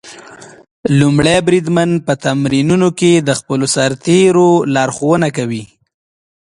لومړی بریدمن په تمرینونو کې د خپلو سرتېرو لارښوونه کوي.